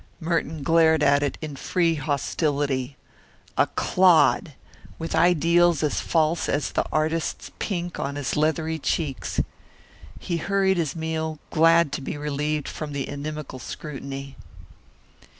Merton glared at it in free hostility a clod, with ideals as false as the artist's pink on his leathery cheeks! He hurried his meal, glad to be relieved from the inimical scrutiny.